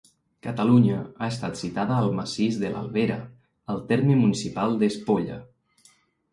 Catalunya, ha estat citada al Massís de l'Albera, al terme municipal d'Espolla.